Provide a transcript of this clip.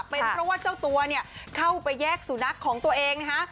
เป็นเพราะว่าเจ้าตัวเนี่ยเข้าไปแยกสุนัขของตัวเองนะฮะ